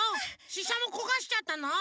ししゃもこがしちゃったの？